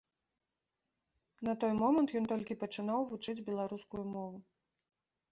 На той момант ён толькі пачынаў вучыць беларускую мову.